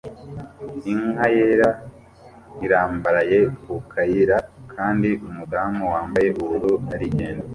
Inka yera irambaraye ku kayira kandi umudamu wambaye ubururu arigendera